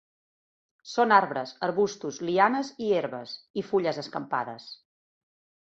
Són arbres, arbustos, lianes i herbes. I fulles escampades.